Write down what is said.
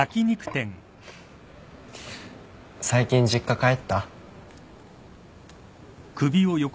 最近実家帰った？